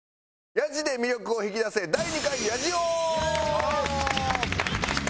「ヤジで魅力を引き出せ第２回ヤジ王」！